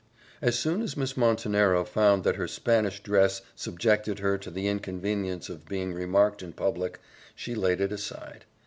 As soon as Miss Montenero found that her Spanish dress subjected her to the inconvenience of being remarked in public she laid it aside.